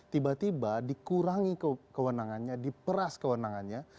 tiba tiba dikurangi kewenangannya diperas kewenangannya